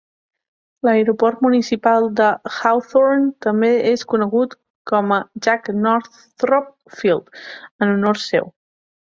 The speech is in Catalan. L'aeroport municipal de Hawthorne també és conegut com a Jack Northrop Field en honor seu.